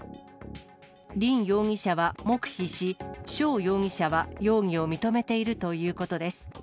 林容疑者は黙秘し、肖容疑者は容疑を認めているということです。